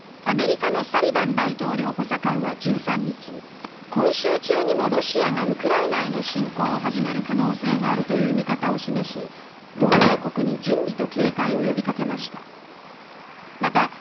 アメリカのサリバン大統領補佐官は１３日今週中にもロシアがウクライナへの侵攻を始める可能性があるという見方を示し同盟国に準備と警戒を呼びかけました。